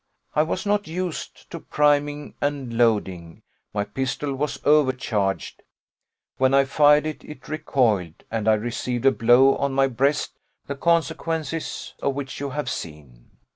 I was not used to priming and loading: my pistol was overcharged: when I fired, it recoiled, and I received a blow on my breast, the consequences of which you have seen.